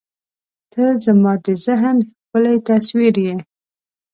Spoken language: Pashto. • ته زما د ذهن ښکلی تصویر یې.